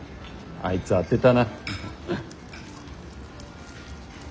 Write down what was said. あいつ当てたな。